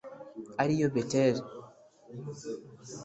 ari yo beteli